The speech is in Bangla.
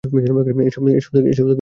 এ সব থেকে তার কী লাভ হবে?